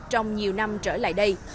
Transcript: trong nhiều năm trở lại đây